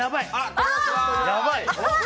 やばい。